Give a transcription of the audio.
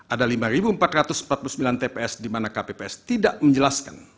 ada lima empat ratus empat puluh sembilan tps di mana kpps tidak menjelaskan